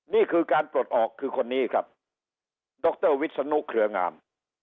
นี่คือการปลดออกคือคนนี้ครับดรวิศนุเครืองาม